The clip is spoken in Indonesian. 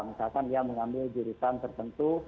misalkan dia mengambil jurusan tertentu